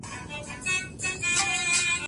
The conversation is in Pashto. سل ځله یې زموږ پر کچکولونو زهر وشیندل